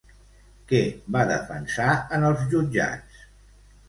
Què va defensar en els jutjats?